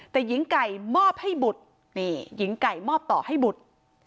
แต่หญิงไก่มอบให้บุตรนี่หญิงไก่มอบต่อให้บุตร